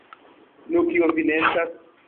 Nu, kio vi ne estas?